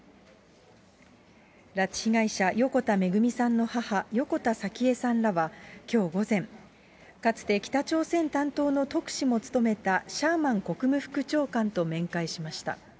拉致被害者、横田めぐみさんの母、横田早紀江さんらはきょう午前、かつて北朝鮮担当の特使も務めたシャーマン国務副長官と面会しました。